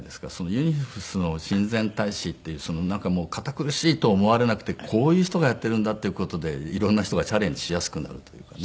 ユニセフの親善大使っていう堅苦しいと思われなくてこういう人がやっているんだっていう事で色んな人がチャレンジしやすくなるというかね。